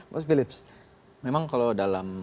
mas philips memang kalau dalam